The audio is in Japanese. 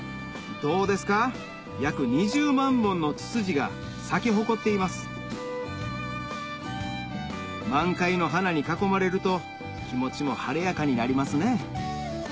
どうですか約２０万本のツツジが咲き誇っています満開の花に囲まれると気持ちも晴れやかになりますね